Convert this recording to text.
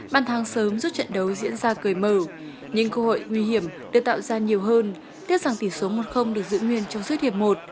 ban tháng sớm giúp trận đấu diễn ra cười mở nhưng cơ hội nguy hiểm được tạo ra nhiều hơn tiếc rằng tỷ số một được giữ nguyên trong giới thiệp một